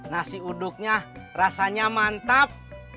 nasi uduknya rasanya mantap